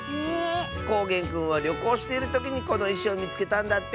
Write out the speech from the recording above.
こうげんくんはりょこうしているときにこのいしをみつけたんだって！